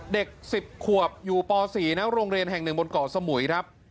เด็ก๑๐ขวบอยู่ป๔นะโรงเรียนแห่งหนึ่งบนเกาะสมุยครับ